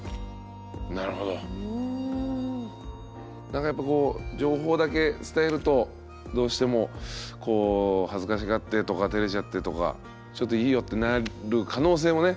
なんかやっぱこう情報だけ伝えるとどうしてもこう恥ずかしがってとか照れちゃってとかちょっといいよってなる可能性もね。